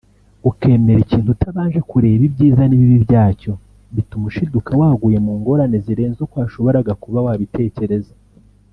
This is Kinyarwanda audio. ukemera ikintu utabanje kureba ibyiza n’ibibi byacyo bituma ushiduka waguye mu ngorane zirenze uko washoboraga kuba wabitekereza